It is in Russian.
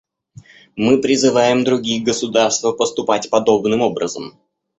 Мы призываем другие государства поступать подобным образом.